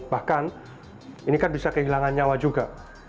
bahkan ini kan bisa kehilangan nyawa juga